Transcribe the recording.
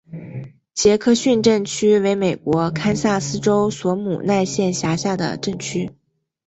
杰克逊镇区为美国堪萨斯州索姆奈县辖下的镇区。